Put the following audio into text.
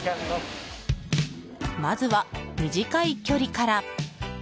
まずは短い距離から。